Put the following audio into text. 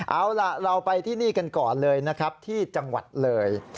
เอาล่ะเราไปที่นี่กันก่อนเลยนะครับที่จังหวัดเลย